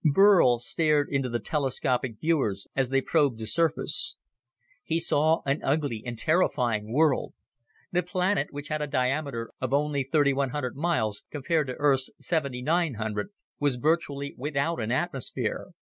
Burl stared into the telescopic viewers as they probed the surface. He saw an ugly and terrifying world. The planet, which had a diameter of only 3,100 miles, compared to Earth's 7,900, was virtually without an atmosphere.